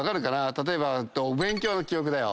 例えばお勉強の記憶だよ。